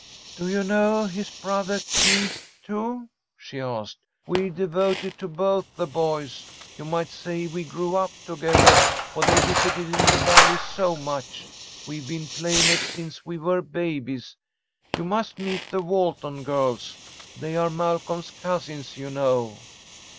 "Do you know his brothah Keith, too?" she asked. "We're devoted to both the boys. You might say we grew up togethah, for they visited in the Valley so much. We've been playmates since we were babies. You must meet the Walton girls. They are Malcolm's cousins, you know."